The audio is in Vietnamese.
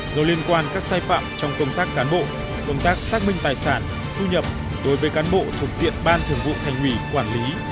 do liên quan các sai phạm trong công tác cán bộ công tác xác minh tài sản thu nhập đối với cán bộ thuộc diện ban thường vụ thành ủy quản lý